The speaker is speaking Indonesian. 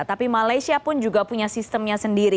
tapi malaysia pun juga punya sistemnya sendiri